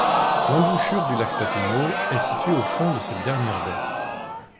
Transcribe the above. L'embouchure du lac Papineau est situé au fond de cette dernière baie.